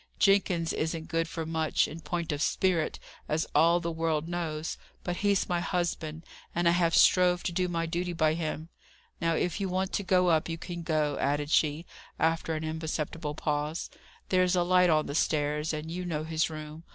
Jenkins isn't good for much, in point of spirit, as all the world knows; but he's my husband, and I have strove to do my duty by him. Now, if you want to go up, you can go," added she, after an imperceptible pause. "There's a light on the stairs, and you know his room.